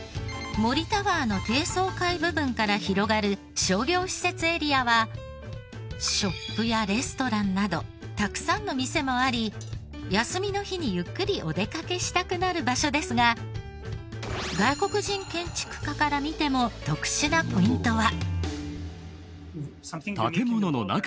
森タワーの低層階部分から広がる商業施設エリアはショップやレストランなどたくさんの店もあり休みの日にゆっくりお出かけしたくなる場所ですが外国人建築家から見ても特殊なポイントは。